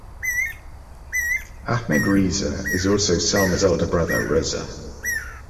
Ahmed Riza is also Selma's elder brother Rıza.